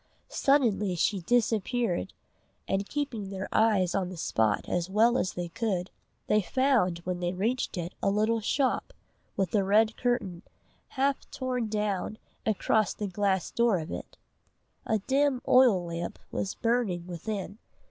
Suddenly she disappeared, and keeping their eyes on the spot as well as they could, they found when they reached it a little shop, with a red curtain, half torn down, across the glass door of it. A dim oil lamp was burning within.